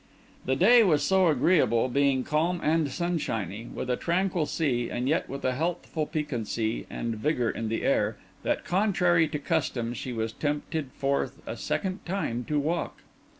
The day was so agreeable, being calm and sunshiny, with a tranquil sea, and yet with a healthful piquancy and vigour in the air, that, contrary to custom, she was tempted forth a second time to walk.